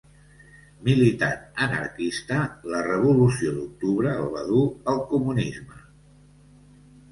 Militant anarquista, la revolució d'octubre el va dur al comunisme.